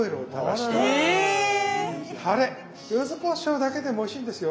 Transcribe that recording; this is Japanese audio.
ゆずこしょうだけでもおいしいんですよ。